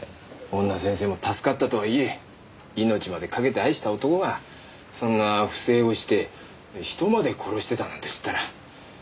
女先生も助かったとはいえ命までかけて愛した男がそんな不正をして人まで殺してたなんて知ったらショックだろうねぇ。